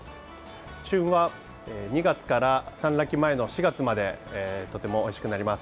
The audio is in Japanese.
旬は２月から産卵期前の４月までとてもおいしくなります。